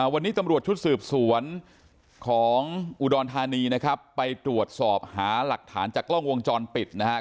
วันนี้ตำรวจชุดสืบสวนของอุดรธานีนะครับไปตรวจสอบหาหลักฐานจากกล้องวงจรปิดนะครับ